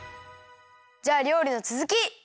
じゃありょうりのつづき！